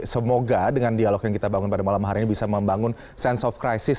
semoga dengan dialog yang kita bangun pada malam hari ini bisa membangun sense of crisis